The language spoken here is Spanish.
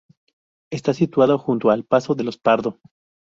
Está situado junto al Pazo de los Pardo.